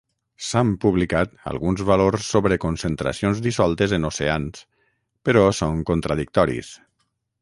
S'han publicat alguns valors sobre concentracions dissoltes en oceans, però són contradictoris.